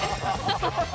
ハハハハ。